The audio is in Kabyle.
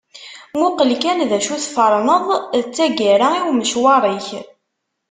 Muqel kan d acu tferneḍ d tagara i umecwar-ik.